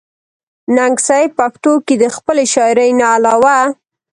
ننګ صېب پښتو کښې َد خپلې شاعرۍ نه علاوه